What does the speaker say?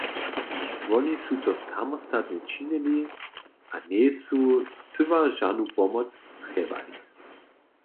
Woni su to samostatnje činili a njejsu scyła žanu pomoc trjebali.